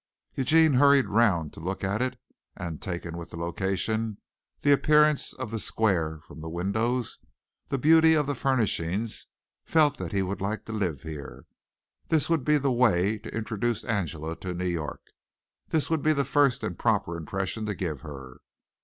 Eugene hurried round to look at it and, taken with the location, the appearance of the square from the windows, the beauty of the furnishings, felt that he would like to live here. This would be the way to introduce Angela to New York. This would be the first and proper impression to give her.